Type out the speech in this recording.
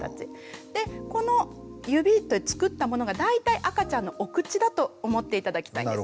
でこの指で作ったものが大体赤ちゃんのお口だと思って頂きたいんです。